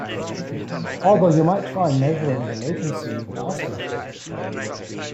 Although you might try measuring the latency and adjusting for it.